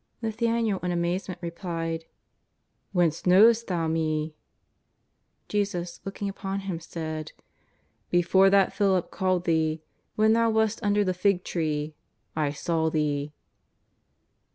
'' Nathaniel in amazement replied :" Whence knowest Thou me ?" Jesus looking upon him said :" Before that Philip called thee, when thou wast under the fig tree, I saw thee."